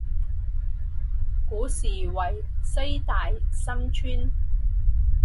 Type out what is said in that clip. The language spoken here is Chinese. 古时为西大森村。